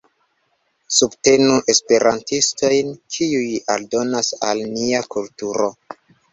Subtenu esperantistojn, kiuj aldonas al nia kulturo.